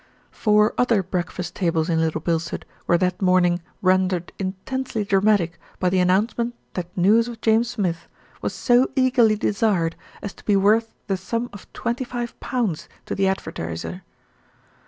Four other breakfast tables in Little Bilstead were that morning rendered intensely dramatic by the an nouncement that news of James Smith was so eagerly desired as to be worth the sum of 25 to the advertiser.